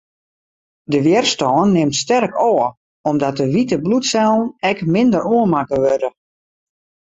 De wjerstân nimt sterk ôf, omdat de wite bloedsellen ek minder oanmakke wurde.